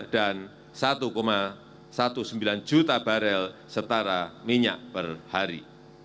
dan satu sembilan belas juta barel setara minyak per hari